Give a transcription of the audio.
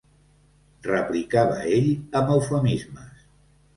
Replicava ell amb eufemismes